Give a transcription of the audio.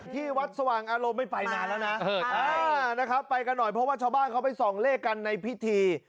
ที่วัดสว่างอารมณ์ไม่ไปนานแล้วนะนะครับไปกันหน่อยเพราะว่าชาวบ้านเขาไปส่องเลขกันในพิธี